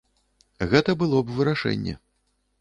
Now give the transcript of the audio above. Гэта было б вырашэнне.